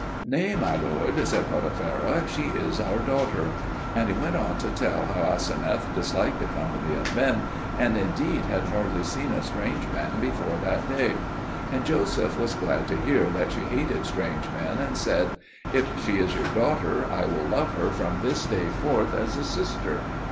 "Nay, my lord," said Potipherah, "she is our daughter." And he went on to tell how Aseneth disliked the company of men, and indeed had hardly seen a strange man before that day; and Joseph was glad to hear that she hated strange men, and said, "If she be your daughter, I will love her from this day forth as a sister."